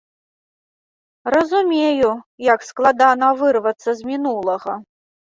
Разумею, як складана вырвацца з мінулага.